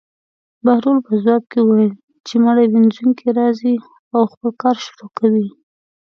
بهلول په ځواب کې وویل: چې مړي وينځونکی راځي او خپل کار شروع کوي.